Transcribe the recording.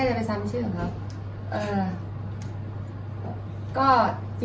มันแค่ไปซ้ำชื่อกับเขา